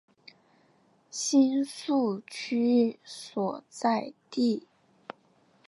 新宿区所在地。